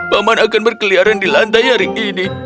paman akan berkeliaran di lantai hari ini